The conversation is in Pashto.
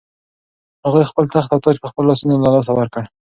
هغوی خپل تخت او تاج په خپلو لاسونو له لاسه ورکړ.